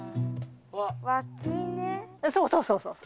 そうそうそうそうそう。